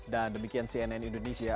dan demikian cnn indonesia